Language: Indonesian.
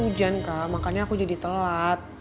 hujan kak makanya aku jadi telat